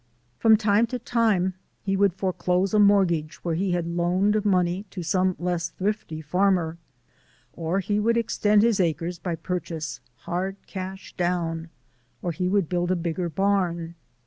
From time to time he would foreclose a mortgage where he had loaned money to some less thrifty farmer, or he would extend his acres by purchase, hard cash down, or he would build a bigger barn.